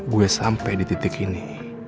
gue sampai di titik ini